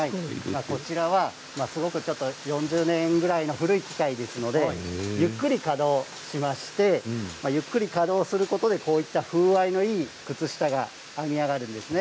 こちらは４０年ぐらいの古い機械ですのでゆっくり稼働することでこういった風合いがある靴下が編み上がるんです。